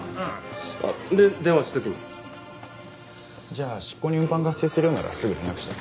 じゃあ執行に運搬が発生するようならすぐ連絡して。